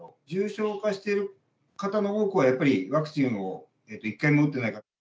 重症化している方の多くは、やっぱりワクチンを１回も打ってない。